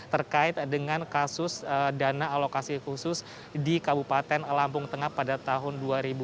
terkait dengan kasus dana alokasi khusus di kabupaten lampung tengah pada tahun dua ribu dua puluh